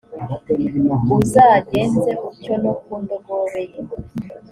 uzagenze utyo no ku ndogobe ye,